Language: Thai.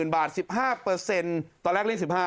๒๘๐๐๐๐บาท๑๕ตอนแรกเรียก๑๕